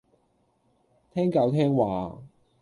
聽教聽話